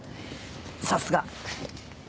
さすが。